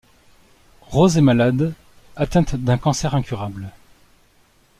Rose est malade atteinte d'un cancer incurable.